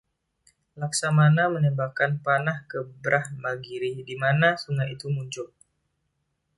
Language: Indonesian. Lakshmana menembakkan panah ke Brahmagiri dimana sungai itu muncul.